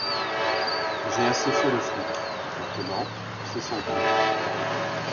J’ai assez fait le flic, maintenant c’est son tour